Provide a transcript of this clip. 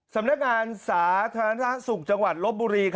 สำนักงานสาธารณสุขจังหวัดลบบุรี